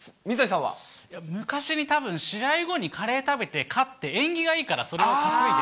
昔にたぶん、試合後にカレー食べて、勝って、縁起がいいから、それを引き継いだ。